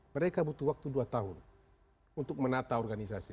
mereka butuh waktu dua tahun untuk menata organisasi